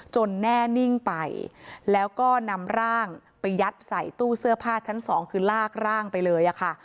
แน่นิ่งไปแล้วก็นำร่างไปยัดใส่ตู้เสื้อผ้าชั้นสองคือลากร่างไปเลยอะค่ะ